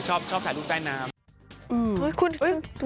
ชอบถ่ายรูปใต้น้ำ